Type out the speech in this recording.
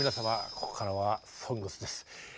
ここからは「ＳＯＮＧＳ」です。